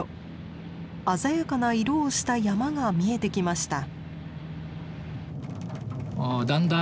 鮮やかな色をした山が見えてきました。